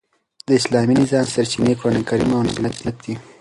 د اسلامي نظام سرچینې قران کریم او نبوي سنت دي.